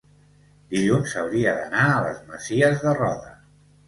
dilluns hauria d'anar a les Masies de Roda.